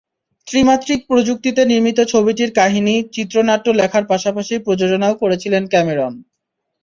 ত্রিমাত্রিক প্রযুক্তিতে নির্মিত ছবিটির কাহিনি, চিত্রনাট্য লেখার পাশাপাশি প্রযোজনাও করেছিলেন ক্যামেরন।